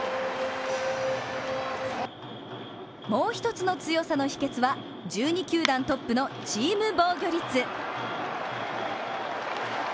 もう一つの強さの秘訣は１２球団トップのチーム防御率。